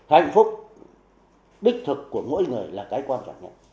hạnh phúc đích thực của mỗi người là cái quan trọng nhất